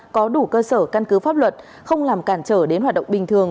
có đủ cơ sở căn cứ pháp luật không làm cản trở đến hoạt động bình thường